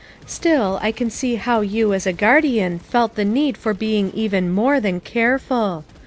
Still, I can see how you as a guardian felt the need for being even more than careful.